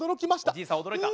おじいさん驚いた。